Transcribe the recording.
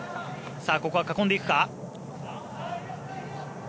ここは囲んでいくか。